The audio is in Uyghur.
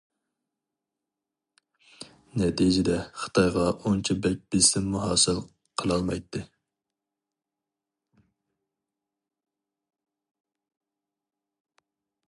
نەتىجىدە خىتايغا ئۇنچە بەك بېسىممۇ ھاسىل قىلالمايتتى.